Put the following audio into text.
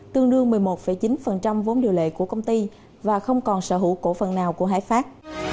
tương đương một mươi một chín vốn điều lệ của công ty và không còn sở hữu cổ phần nào của hải pháp